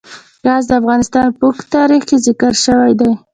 ګاز د افغانستان په اوږده تاریخ کې ذکر شوی دی.